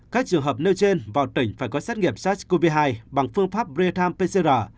các trường hợp nêu trên vào tỉnh phải có xét nghiệm sars cov hai bằng phương pháp bretham pcr